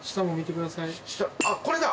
あっこれだ。